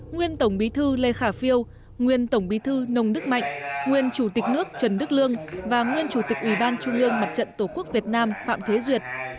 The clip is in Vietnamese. nguyên tổng bí thư lê khả phiêu nguyên tổng bí thư nông đức mạnh nguyên chủ tịch nước trần đức lương và nguyên chủ tịch ubnd mặt trận tổ quốc việt nam phạm thế duyệt